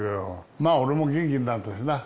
まあ、俺も元気になったしな。